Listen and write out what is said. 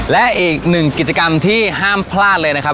และอีกหนึ่งกิจกรรมที่ห้ามพลาดเลยนะครับ